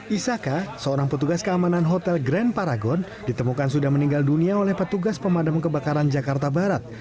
isaka seorang petugas keamanan hotel grand paragon ditemukan sudah meninggal dunia oleh petugas pemadam kebakaran jakarta barat